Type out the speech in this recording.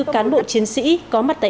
hai mươi bốn cán bộ chiến sĩ có mặt tại